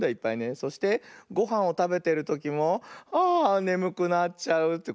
そしてごはんをたべてるときも「ああねむくなっちゃう」ってこうなっちゃうね。